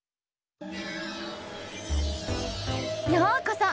ようこそ！